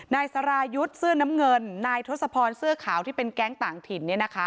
นายสรายุทธ์เสื้อน้ำเงินนายทศพรเสื้อขาวที่เป็นแก๊งต่างถิ่น